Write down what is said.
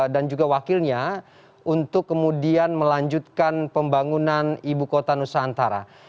dan juga wakilnya untuk kemudian melanjutkan pembangunan ibu kota nusantara